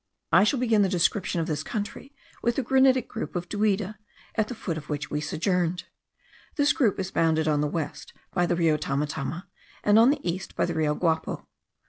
I shall begin the description of this country with the granitic group of Duida, at the foot of which we sojourned. This group is bounded on the west by the Rio Tamatama, and on the east by the Rio Guapo.